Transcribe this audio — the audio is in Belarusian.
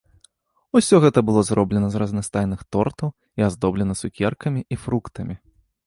Усё гэта было зроблена з разнастайных тортаў і аздоблена цукеркамі і фруктамі.